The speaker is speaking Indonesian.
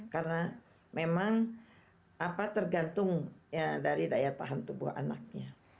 karena memang apa tergantung ya dari daya tahan tubuh anaknya